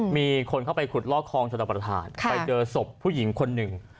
มีคนเข้าไปขุดลอกคลองชนประธานไปเจอศพผู้หญิงคนหนึ่ง